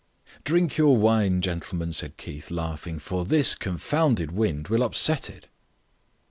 "Drink your wine, gentlemen," said Keith, laughing, "for this confounded wind will upset it."